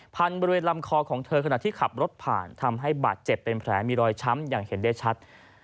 บริเวณลำคอของเธอขณะที่ขับรถผ่านทำให้บาดเจ็บเป็นแผลมีรอยช้ำอย่างเห็นได้ชัด